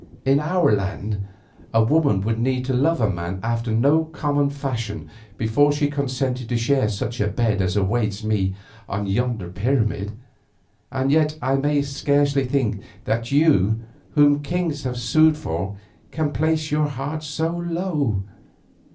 In our land a woman would need to love a man after no common fashion before she consented to share such a bed as awaits me on yonder pyramid. And yet I may scarcely think that you whom kings have sued for can place your heart so low.